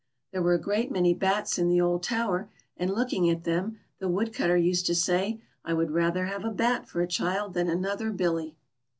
There were a great many bats in the old tower, and looking at them, the Woodcutter used to say :" I would rather have a bat for a child than another Billy."